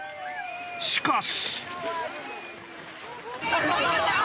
しかし。